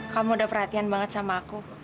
kamu udah perhatian banget sama aku